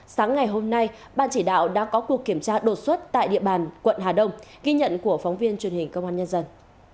sáng ngày hôm nay ban chỉ đạo đã có cuộc kiểm tra đột xuất tại địa bàn quận hà đông ghi nhận của phóng viên truyền hình công an nhân dân